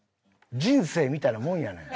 人生みたいなもんやねん。